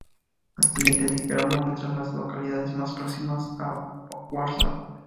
El siguiente diagrama muestra a las localidades más próximas a Warsaw.